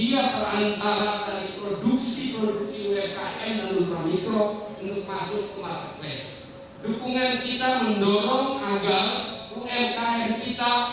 bagaimana menurut anda